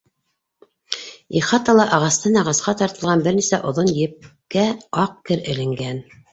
Ихатала ағастан ағасҡа тартылған бер нисә оҙон епкә аҡ кер эленгән.